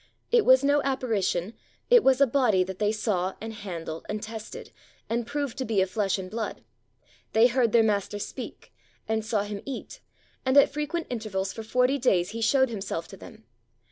It was no apparition, it was a body that they saw and handled and tested and proved to be of flesh and blood. They heard their Master speak, and saw Him eat; and at frequent intervals for forty days He showed Himself to them.